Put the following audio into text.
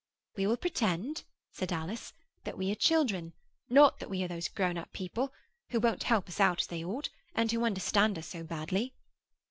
'We will pretend,' said Alice, 'that we are children; not that we are those grown up people who won't help us out as they ought, and who understand us so badly.